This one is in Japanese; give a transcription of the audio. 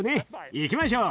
行きましょう！